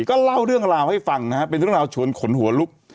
ก็เล่าเรื่องราวให้ฟังนะฮะเป็นเรื่องราวชวนขนหัวลุก